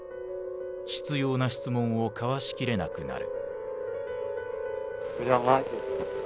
執拗な質問をかわし切れなくなる。